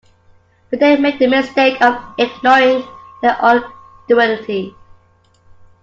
But they make the mistake of ignoring their own duality.